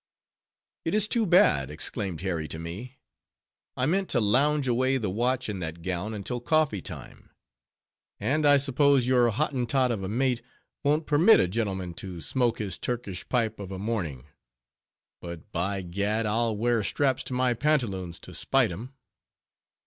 "It is too bad!" exclaimed Harry to me; "I meant to lounge away the watch in that gown until coffee time;—and I suppose your Hottentot of a mate won't permit a gentleman to smoke his Turkish pipe of a morning; but by gad, I'll wear straps to my pantaloons to spite him!"